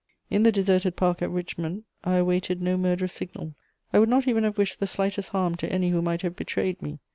In the deserted park at Richmond I awaited no murderous signal, I would not even have wished the slightest harm to any who might have betrayed me.